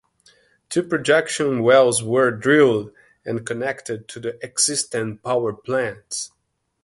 Two production wells were drilled and connected to the existing power plants.